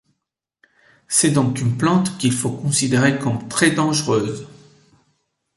C'est donc une plante qu'il faut considérer comme très dangereuse.